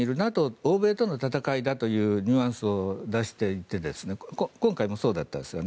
欧米との戦いだというニュアンスを出していて今回もそうだったんですよね。